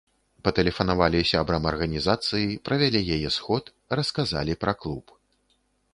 Патэлефанавалі сябрам арганізацыі, правялі яе сход, расказалі пра клуб.